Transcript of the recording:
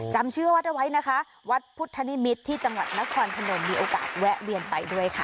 จำชื่อวัดเอาไว้นะคะวัดพุทธนิมิตรที่จังหวัดนครพนมมีโอกาสแวะเวียนไปด้วยค่ะ